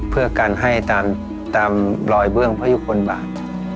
เพื่อกันให้ตามรอยเบื้องพระยุคลบาท